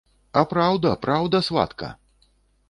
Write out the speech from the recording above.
А праўда, праўда, сватка!